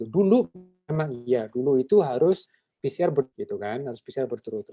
dulu memang iya dulu itu harus pcr berturut turut